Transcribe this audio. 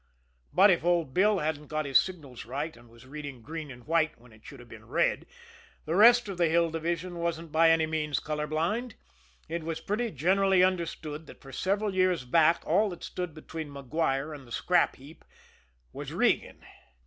But if old Bill hadn't got his signals right, and was reading green and white when it should have been red, the rest of the Hill Division wasn't by any means color blind; it was pretty generally understood that for several years back all that stood between Maguire and the scrap heap was Regan.